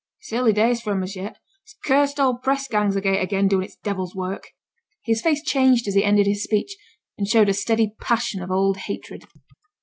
It's early days for 'em as yet. And t' cursed old press gang's agate again, doing its devil's work!' His face changed as he ended his speech, and showed a steady passion of old hatred.